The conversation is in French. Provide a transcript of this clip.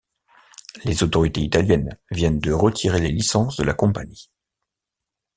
Les autorités italiennes viennent de retirer les licences de la compagnie.